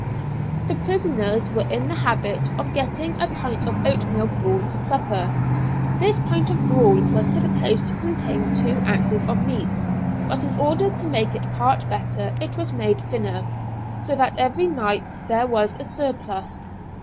The prisoners were in the habit of getting a pint of oatmeal gruel for supper. This pint of gruel was supposed to contain two ounces of meal; but in order to make it part better it was made thinner, so that every night there was a surplus.